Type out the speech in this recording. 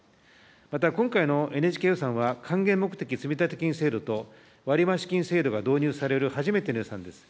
また今回のＮＨＫ予算は還元目的積立金制度と割増金制度が導入される初めての予算です。